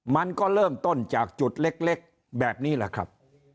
มันก็เริ่มต้นจากจุดเล็กแบบนี้แหละครับ